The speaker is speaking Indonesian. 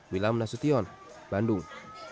wilam nasution bandung